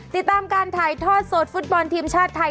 ติดตามการถ่ายทอดสดฟุตบอลทีมชาติไทย